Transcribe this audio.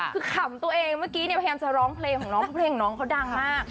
คือขำตัวเองเมื่อกี้เนี่ยพยายามจะร้องเพลงของน้องเพราะเพลงของน้องเขาดังมาก